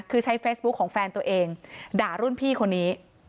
คือใช้เฟซบุ๊คของแฟนตัวเองด่ารุ่นพี่คนนี้